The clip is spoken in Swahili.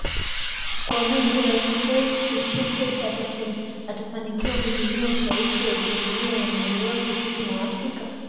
Kwa Undani Je rais Felix Tshisekedi atafanikiwa kutumia ushawishi wa Jumuiya ya Maendeleo Kusini mwa Afrika